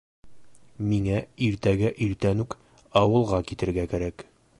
Миңә иртәгә иртән үк ауылға китергә кәрәк.